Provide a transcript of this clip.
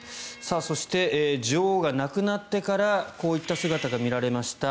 そして女王が亡くなってからこういった姿が見られました。